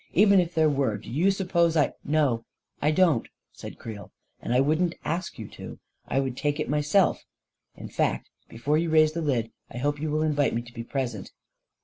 "Even if there were, do you suppose I ..." 11 No, I don't," said Creel; " and I wouldn't ask you to. I'd take it myself. In fact, before you raise the lid, I hope you will invite me to be pres ent."